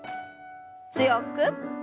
強く。